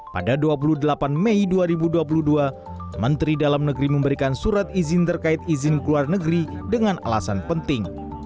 pada dua puluh delapan mei dua ribu dua puluh dua menteri dalam negeri memberikan surat izin terkait izin keluar negeri dengan alasan penting